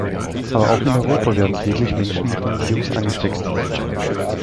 Aber auch in Europa werden täglich Menschen mit dem Virus angesteckt.